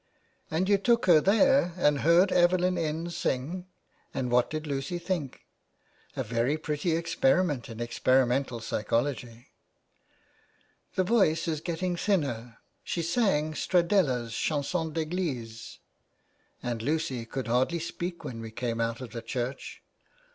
And you took her there and heard Evelyn Innes sing. And what did Lucy think ? A very pretty experiment in experimental psychology." " The voice is getting thinner. She sang Stradella's Chanson D'Eglise, and Lucy could hardly speak when we came out of church.